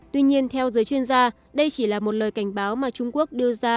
tuy nhiên theo giới chuyên gia đây chỉ là một lời cảnh báo mà trung quốc đưa ra